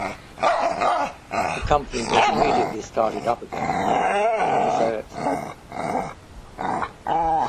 The company was immediately started up again by Thomas Eriksson.